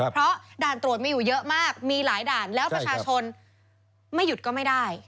เพราะด่านตรวจมีอยู่เยอะมากมีหลายด่านแล้วประชาชนไม่หยุดก็ไม่ได้